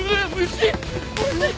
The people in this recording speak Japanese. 虫！